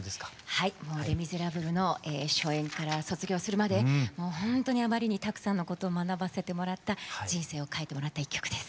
はい「レ・ミゼラブル」の初演から卒業するまでもうほんとにあまりにたくさんのことを学ばせてもらった人生を変えてもらった一曲です。